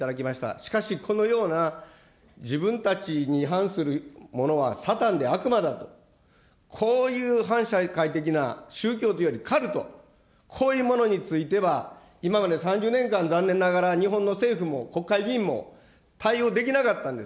しかし、このような自分たちに反するものはサタンで悪魔だと、こういう反社会的な宗教というよりカルト、こういうものについては、今まで３０年間、残念ながら日本の政府も国会議員も対応できなかったんです。